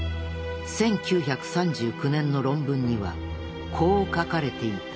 １９３９年の論文にはこう書かれていた。